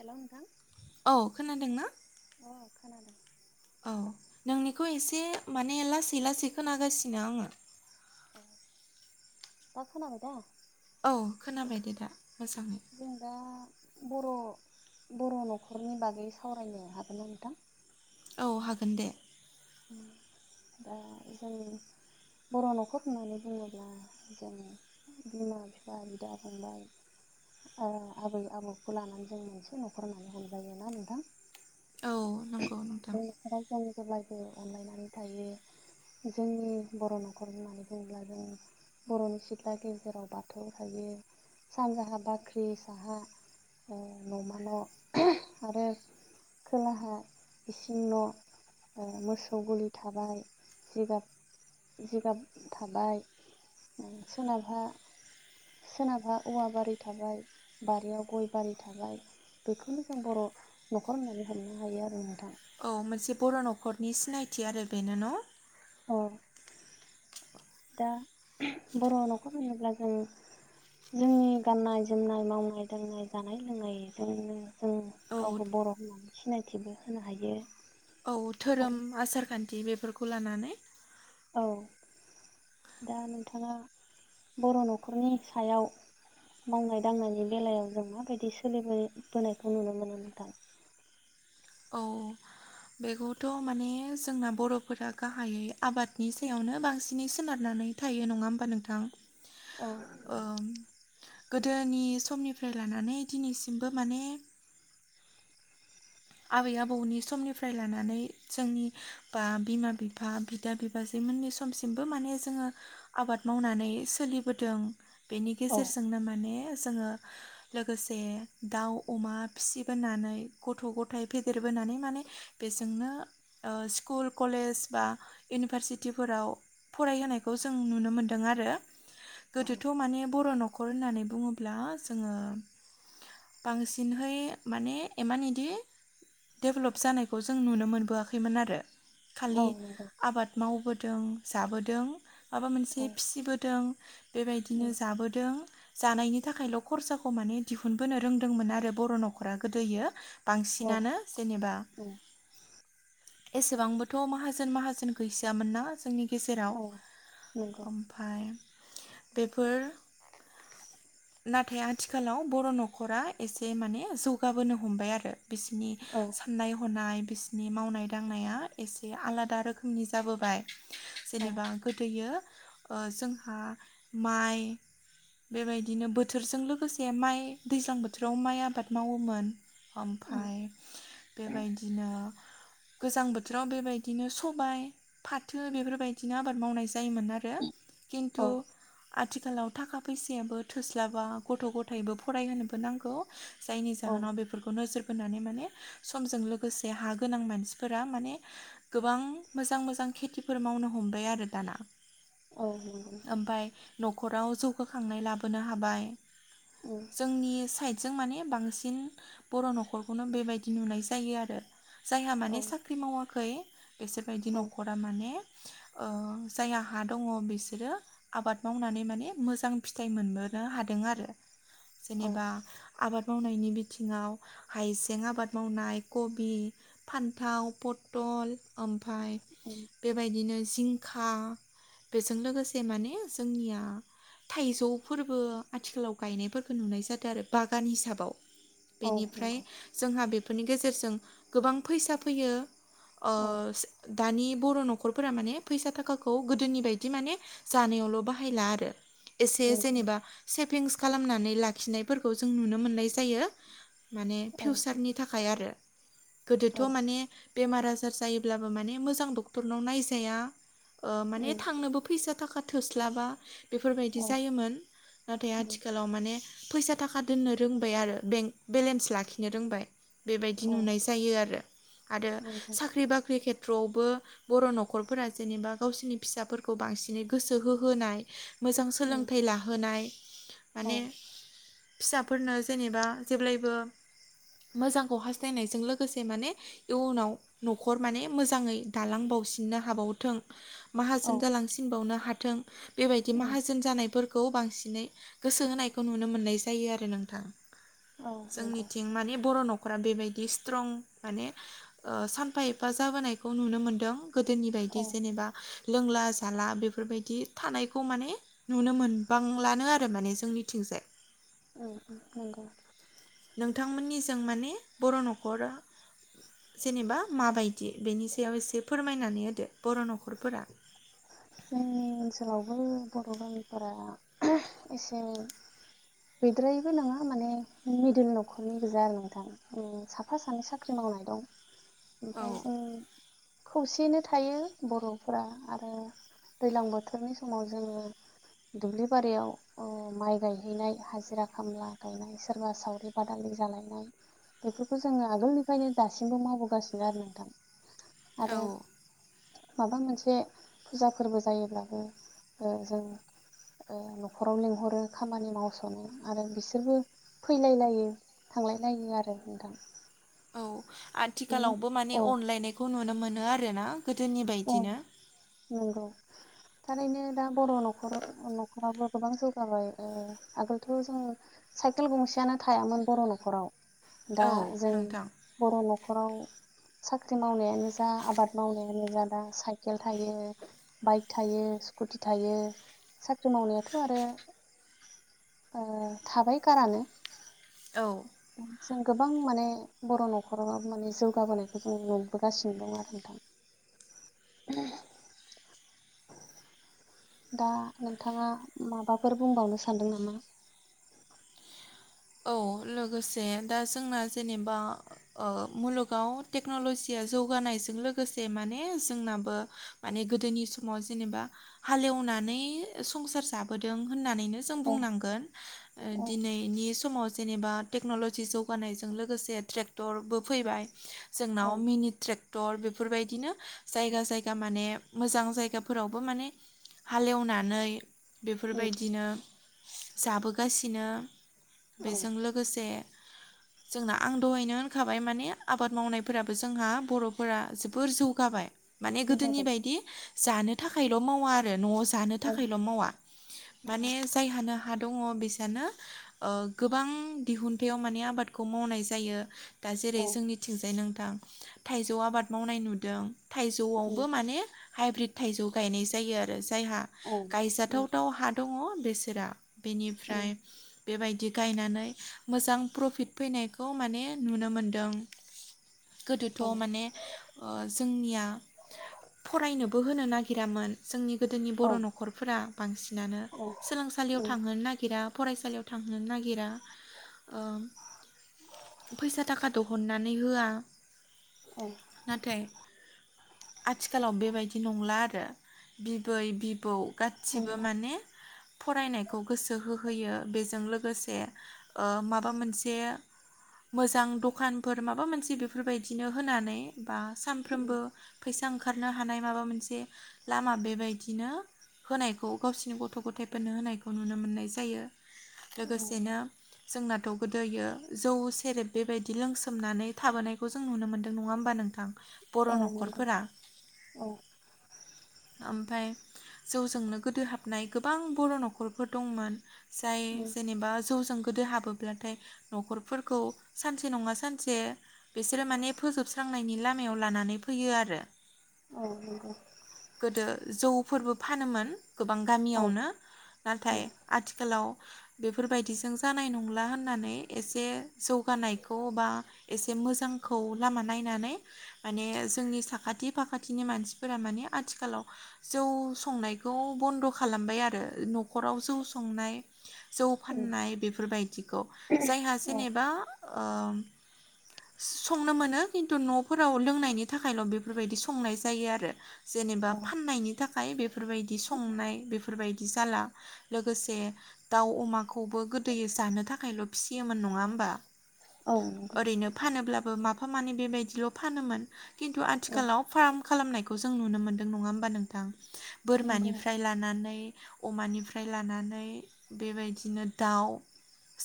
हेल नोंथां औ खोनादों ना? औ खोनादों। औ नोंनिखौ एसे माने लासै लासै खोनागासिनो आङो। औ दा खोनाबाय दा? औ खोनाबाय दे दा। मोजाङै जोंदा बर' बर' न'खरनि बागै सावरायनो हागोन ना नोंथां? औ हागोन दे दा जों बर' न'खर होननानै बुङोब्ला जोङो बिमा-बिफा बिदा-फंबाय ओ आबै आबौखौ लानानै जों मोनसे न'खर होननानै हमजायोना नोंथां? औ नंगौ नोंथां। बे न'खराव जों जेब्लायबो अनलायनानै थायो जोंनि बर' न'खरनि होननानै बुङोब्ला जों बर'नि सिथ्ला गेजेराव बाथौ थायो सानजाहा बाख्रि साहा औ न'मा न' आरो खोलाहा इसिं न' मोसौ गलि थाबाय जिगाब -जिगाब थाबाय सोनाबहा सोनाबहा औवा बारि थाबाय बारियाव गय बारि थाबाय बेखौनो जों बर' न'खर होननानै हमनो हायो आरो नोंथां। औ मोनसे बर' न'खरनि सिनायथि आरो बेनो न'? औ दा बर' न'खर होनोब्ला जों जोंनि गाननाय -जोमनाय, मावनाय -दांनाय, जानाय- लोंनायजों जों औ गावखौबो बर' होननानै सिनायथिबो होनो हायो। औ धोरोम आरो आसार - खान्थि बेफोरखौ लानानै औ दा नोंथाङा बर' न'खरनि सायाव मावनाय- दांनायनि बेलायाव जों माबायदि सोलिबोबोनायखौ नुनो मोनो नोंथां? [inaudible] औ बेखौथ' माने जोंना बर'फोरा गाहायै आबादनि सायावनो बांसिनै सोनारनानै थायो नङा होमबा नोंथां? औ ओ गोदोनि समनिफ्राय लानानै दिनैसिमबो माने आबै -आबौनि समनिफ्राय लानानै जोंनि बा बिमा- बिफा, बिदा -बिबाजै मोननि समसिमबो माने जोङो आबाद मावनानै सोलिबोदों। बेनि औ गेजेरजोंनो माने जोङो लोगोसे दाउ -अमा फिसिबोनानै गथ'- गथ' -थाय फेदेरबोनानै माने बेजोंनो स्कुल, कलेज बा इउनिभारसिटि फोराव फरायहोनायखौ जों नुनो मोनदों आरो औ गोदोथ' माने बर' न'खर न'खर होननानै बुङोब्ला जोङो बांसिनहै माने इमान इदि दडेभेलप जानायखौ जों नुनो मोनबोआखैमोन आरो औ खालि नंगौ आबाद मावबो दों जाबोदों माबा मोनसे औ फिसिबोदों बेबायदिनो जाबोदों जानायनि थाखायल' खरसाखौ माने दिहुनबोनो रोंदोंमोन आरो बर' न'खरा गोदोयो बा औ -सिनानो जेनेबा एसेबांबोथ' माहाजोन -माहाजोन गैजायामोन ना जोंनि गेजेराव औ नंगौ ओमफ्राय बेफोर नाथाय आथिखालाव बर' न'खरा एसे माने जौगाबोनो हमबाय आरो। बिसनि औ साननाय हनाय बिसिनि मावनाय- दांनाया एसे आलादा रोखोमनि जाबोबाय। औ जेनेबा गोदोयो जोंहा माइ बेबायदिनो बोथोरजों लोगोसे माइ दैज्लां बोथोराव माइ आबाद मावोमोन। ओमफाय बेबायदिनो गोजां बोथोराव बेबायदिनो सबाय, फाथो, बेफोरबायदिनो आबाद मावनाय जायोमोन आरो। खिन्थु औ आथिखालाव थाखा फैसायाबो थोस्लाबा गथ' गथायबो फरायहोनोबो नांगौ। जायनि औ जाहोनाव बेफोरखौ नोजोर होन्नानै माने समजों लोगोसे हागोनां मानसिफोरा गोनां मानसिफोरा माने गोबां मोजां- मोजां खेथिफोर मावनो हमबाय आरो दाना। औ नंगौ ओमफाय न'खराव जौगाखांनाय लाबोनो हाबाय। नोंथां जोंनि साइडजों माने बांसिन बर' न'खर -खौनो बेबायदि नुनाय जायो आरो जायहा माने साख्रि मावाखै एसेबायायदि न'खरा माने जायहा हा दङ बिसोरो आबाद मावनानै माने मोजां फिथाइ मोनबो नो हादों आरो औ जेनेबा आबाद मावनायनि बिथिङाव हाइजें आबाद मावनाय कबि, फान्थाव, पथल ओमफाय बेबायदिनो जिंखा बेजों लोगोसे माने जोंनिया थाइजौफोरबो आथिखालाव गायनायफोरखौ नुनाय जादों आरो बागान हिसाबाव औ बेनिफ्राय नंगौ जोंहा बेफोरनि गेजेरजों गोबां फैसा फैयो अ औ दानि बर' न'खरफोरा माने फैसा थाखाखौ गोदोनि बायदि माने जानायावल' बाहायला आरो एसे नंगौ जेनेबा सेभिंस खालामनानै लाखिनायफोरखौ जों नुनो मोननाय जायो। माने औ फिउचारनि थाखाय आरो गोदोथ' औ माने बेमार आ जार जायोब्लाबो माने मोजां डक्टरनाव नायजाया ओ औ माने थांनोबो फैसा थाखा थोस्लाबा बेफोरबायदि औ जायोमोन नाथाय आथिखालाव माने फैसा थाखा दोननो रोंबाय आरो बेंक बेलेन्स लाखिनो रोंबाय। बेबायदि नुनाय जायो आरो आरो नंगौ साख्रि बाख्रि खे थ्रआवबो बर' न'खरफोरा जेनेबा गावसोरनि फिसाफोरखौ बांसिनै गोसो होहोनाय मोजां औ सोलोंथाइ लाहोनाय माने फिसाफोरनो जेनेबा जेब्लायबो मोजांखौ हास्थायनायजों लोगोसे माने इयुनाव न'खर माने मोजाङै दालांबावो नो हावथों माहोन जालांसिनबावनो हाथों बेबायदि औ माहाजोन जानायफोर खौ बांसिनै गोसो होनायखौ नुनो मोननाय जायो आरो नोंथां। औ नंगौ जोंनिथिं माने बर' न' खरा बेबायदि स्ट्रं माने ओ सानफा एफा जाबोनायखौ नुनो मोनदों। गोदोनि बायदि औ जेनेबा लोंला जाला बेफोरबायदि थानायखौ माने नुनो मोनबांलाानो आरो माने जोंनिथिं। [unintelligible] नंगौ नोंथांमोननिजों माने बर' न'खरा जेनेबा माबायदि बेनि सायाव एसे फोरमायना होदो बर' नख'रफोरा आंनि नोजोरावबो बर' गामिफोरा एसे गैद्रायैबो नङा माने मिडिल न'खरनि गोजा आरो नोंथां साफा सानै साख्रि माव मावनाय दं। औ ओमफ्राय जों खौसेयैनो थायो बर'फोरा आरो दैलां बोथोरनि समाव जोङो दुब्लि बारियाव ओ माइ गायहैनाय हाजिरा खामला गायनाय सोरबा सावरि बादालि जालायनाय बेफोरखौ जोङो आगोलनिफ्रायनो दासिमबो मावबोगासिनो आरो नोंथां। औ आरो माबा मोनसे फुजा फोरबो जायोब्लाबो जों न'खराव लेंंहरो खामानि मावस'नो आरो बिसोरबो फैलायलायो संलायलायो आरो नोंथां। औ बिनो आथिखालावबो माने औ अनलायनायखौ नुनो मोनो आरो ना? गोदोनि औ बायदिनो? नंगौ थारैनो दा बर' न'खर न'खरावबो गोबां जौगाबाय आगोलथ' जों साइकेल गंसेयानो थायामोन बर' न'खराव दा औ जों नोंथां बर' न खराव साख्रि मावनायानो जा आबाद मावनायानो जा दा साइकेल थायो बाइक थायो स्कुटि थायो साख्रि मावनायाथ' आरो ओ थाबाय खारानो। औ जों गोबां माने बर' न'खराव माने जौगाबोनायखौ जों नुबोगासिनो दं आरो नोंथां। [inaudible] दा नोंथाङा माबाफोर बुंबावनो सानदों नामा? औ लोगोसे दा जोंना जेनेबा ओ मुलुगाव टेक्न'लजिया जौगानायजों लोगोसे माने जोंनाबो माने गोदोनि समाव जेनेबा हालेवनानै एवनानै संसार जाबोदों होन्नानैनो जों औ बुंनांगोन ओ औ दिनैनि समाव जेनेबा टेक्न'लजि जौगानायजों लोगोसे ट्रेक्टरबो फैबाय औ जोंनाव मिनि ट्रेक टर बेफोरबायदिनो जायगा जायगा माने मोजां जायगाफोरावबो माने हालेवनानै उम बेफोरबायदिनो जाबोगासिनो। औ बेजों लोगोसे [inaudible] जोंना आं दहायनो होनखाबाय माने आबाद मावनायफोराबो जोंहा बर'फोरा जोबोर जौगाबाय। माने गोदोनि जौगाबाय बायदि जानो थाखायल' मावा आरो न'आव जानो औ थाखायल' मावा। औ माने जायहानो हा दङ बिसानो ओ गोबां दिहुुनथायाव माने आबादखौ मावनाय जायो दा जेरै औ जोंनिथिंजाय नों [unintelligible] थाइजौ आबाद मावनाय नुदों थाइजौआवबो उम माने हाइब्रिद थाइजौ गायनाय जायो आरो जायहा औ गायजाथाव उम थाव हा दङ बेसोरा बिनिफ्राय उम बेबायदि गायनानै मोजां प्रफिट फैनायखौ माने नुनो मोन्दों। गोदोथ' औ माने ओ जोंनिया फरायनोबो होनो नागिरामोन जोंनि गोदोनि औ बर' न'खरफोरा बांसिनानो औ सोलोंसालियाव उम थांहोनो नागिरा फरायसालियाव थांहोनो नागिरा ओ फैसा थाखाथ' हननानै होआ औ नाथाइ आथिखालाव बेबायदि नंला आरो बिबै बिबौ गासिबो नंला माने फरायनायखौ गोसो होहोयो। बेजों लोगोसे ओ माबा मोनसे मोजां दखानफोर माबा मोनसे बेफोरबायदिनो होनानै बा उम सामफ्रोमबो फैसा ओंखारनो हानाय माबा मोनसे लामा बेबायदिनो होनायखौ गावसिनि गथ' गथायाइफोरनो होनायखौ नुनो मोननाय जायो। औ लोगोसेनो जोंनाथ' गोदोयो जौ सेरेब बेबायदि लोंसोमनानै थाबोनायखौ जों नुनो मोन्दों नङा होमबा नोंथां? बर' औ नंगौ न'खरफोरा औ ओमफाय जौजोंनो गोदोहाबनाय गोबां बर' न'खरफोर दंमोन। जाय उम जेनेबा जौजों गोदो हाबोब्लाथाय न'खरफोरखौ सानसे नङा सानसे बिसोरो माने फोजोबस्रांनायनि लामायाव लानानै फैयो आरो। औ नंगौ। दो जौफोरबो फानोमोन गोबां औ गामियावनो नाथाय उम आथिखा लाव बेफोरबायदिजों जानाय नंला होननानै एसे जौगानायखौ बा एसे मोजांखौ लामा नायनानै माने जोंनि साखाथि फाखाथिनि मानसिफोरा माने आथिखालाव जौ संनायखौ बन्द' खालामबाय आरो न'खराव जौ संनाय जौ उम फाननाय बेफोरबायदिखौ जायहा औ जेनेबा ओ [inaudible] संनो मोनो खिन्थु न'फोराव लोंनायनि थाखायल' बेफोरबायदि संनाय जायो आरो। जेनेबा फाननायनि थाखाय बेफोरबायदि संनाय बेफोरबायदि जाला। लोगोसे दाउ अमाखौबो गोदोयो जानो थाखायल' फिसियोमोन नङा होमबा? औ नंगौ ओरैनो फानोब्लाबो माफा माफा मानै बेबायदिल' फानोमोन खिन्थु औ आथिखालाव फार्म खालामनायखौ जों नुनो मोनदों नङा होमबा नोंथां? नंगौ बोरमानिफ्राय लानानै अमानि फ्राय लानानै बेबायदिनो दाउ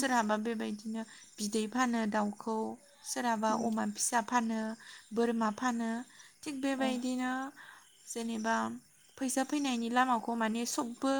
सोरहाबा बेबायदिनो बिदै फानो दाउखौ सोरहाबा उम अमा फिसा फानो बोरमा फानो थिग औ बेबायदिनो जेनेबा फैसा फैनायनि लामाखौ माने सबबो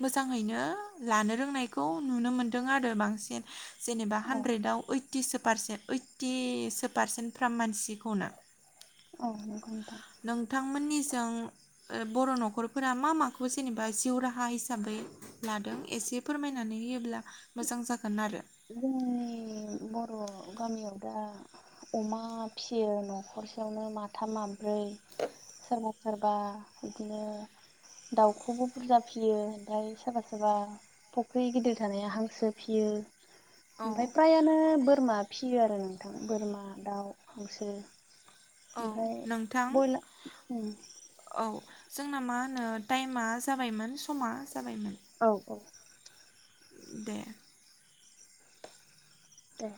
मोजाङैनो लानो रोंनायखौ नुनो मोनदों आरो बांसिन। जेनेबा औ हानड्रेदाव ओइटिस पारसे ओइटिसो पारसेन्ट फ्राम मानसिखौनो। औ नंगौ नोंथां। जों ओ बर' नखरफोरा मा माखौ जेनेबा जिउ राहा हिसाब हिसाबै लादों एसे फोरमायनानै होयोब्ला मोजां जागोन आरो जों बर गामियाव दा अमा फिसियो नखरसेयावनो माथाम मा ब्रै सोरबा सोरबा बिदिनो दाउखौबो बुरजा फिसियो ओमफ्राय सोरबा सोरबा फुख्रि गिदिर थानाया हांसो फियो औ ओमफ्राय फ्रायानो बोरमा फिसियो आरो थां बोरमा दाउ हांसो औ ओमफ्राय नोंथां बयलार औ जों जोंना मा होनो टाइमा जाबायमोन समा जाबायमोन औ औ दे दे